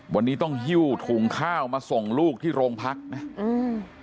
วันนี้ต้องหิ้วถุงข้าวมาส่งลูกที่โรงพักนะอืม